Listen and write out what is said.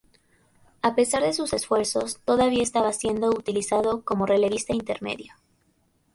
A pesar de sus esfuerzos, todavía estaba siendo utilizado como relevista intermedio.